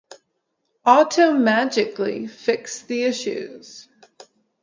automagically fix the issues